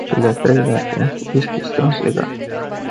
Cel de-al treilea punct este strâns legat.